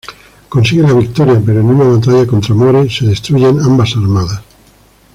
Consiguen la victoria pero en una batalla contra More se destruyen ambas armadas.